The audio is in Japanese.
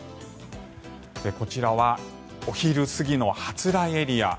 こちらはお昼過ぎの発雷エリア。